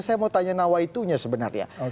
saya mau tanya nawaitunya sebenarnya